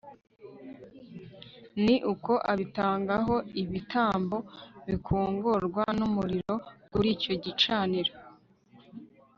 ni uko abitanga ho ibitambo bikongorwa n'umuriro kuri icyo gicaniro